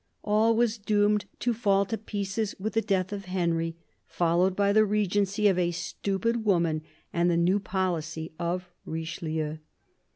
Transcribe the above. AH was doomed to fall to pieces with the death of Henry, followed by the regency of a stupid woman and the new policy of Richelieu.